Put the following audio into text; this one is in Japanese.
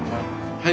はい。